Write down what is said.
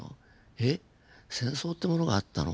えっ戦争ってものがあったの？